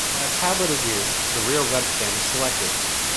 When a tablet is used the rear webcam is selected.